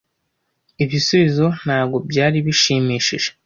Ibisubizo ntabwo byari bishimishije.